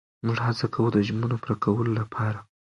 موږ هڅه کوو د ژمنو پوره کولو لپاره.